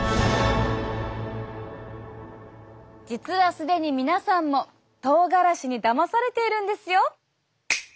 実は既に皆さんもとうがらしにだまされているんですよ！